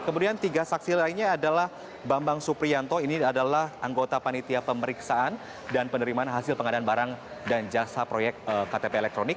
kemudian tiga saksi lainnya adalah bambang suprianto ini adalah anggota panitia pemeriksaan dan penerimaan hasil pengadaan barang dan jasa proyek ktp elektronik